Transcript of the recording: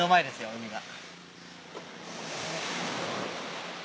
海が。